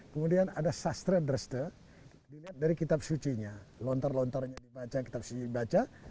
kemudian ada sastra dreste dilihat dari kitab sucinya lontar lontarnya dibaca kitab suci baca